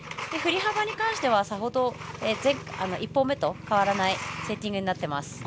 振り幅に関してはさほど１本目と変わらないセッティングになってます。